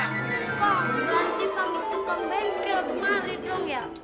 kok berarti panggung tukang bengkel kemarin dong ya